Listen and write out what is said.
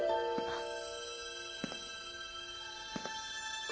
あっ。